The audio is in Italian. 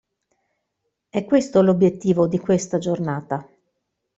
È questo l'obiettivo di questa giornata.